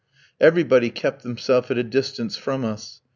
Everybody kept himself at a distance from us.